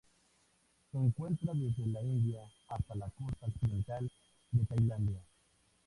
Se encuentra desde la India hasta la costa occidental de Tailandia.